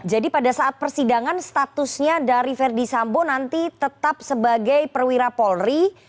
jadi pada saat persidangan statusnya dari verdi sambo nanti tetap sebagai perwira polri